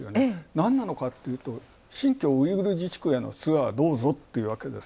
何なのかっていうと、新疆ウイグル自治区へのツアーをどうぞっていうわけです。